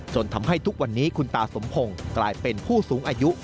จนทำให้ทุกวันนี้คุณตาสมพงศ์กลายเป็นผู้สูงอายุ